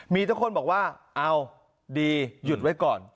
มีทุกคนบอกว่าเอาดีหยุดไว้ก่อน